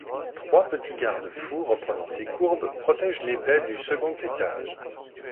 Trois petits garde-fous reprenant ces courbes protègent les baies du second étage.